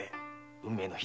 運命の日？